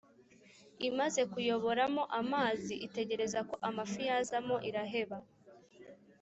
imaze kuyoboramo amazi, itegereza ko amafi yazamo, iraheba.